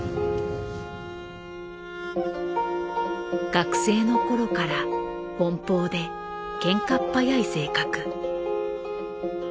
学生の頃から奔放でけんかっ早い性格。